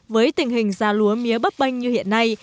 với tình hình giá lúa mía bấp bênh như hiện nay